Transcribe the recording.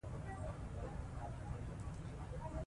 دوی د الله اکبر په ناره پر دښمن ورغلل.